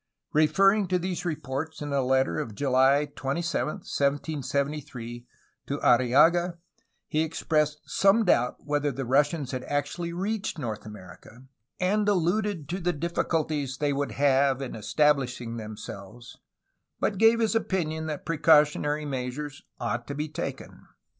Referring to these reports in a letter of July 27, 1773, to Arriaga, he expressed some doubt whether the Russians had actually reached North America, and alluded to the diffi culties they would have in establishing themselves, but gave his opinion that precautionary measures ought to be taken.